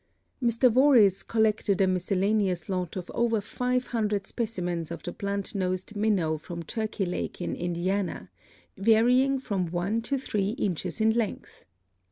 Mr. Voris collected a miscellaneous lot of over five hundred specimens of the Blunt nosed Minnow from Turkey Lake in Indiana, varying from one to three inches in length.